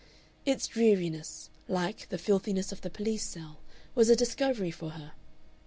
Its dreariness, like the filthiness of the police cell, was a discovery for her.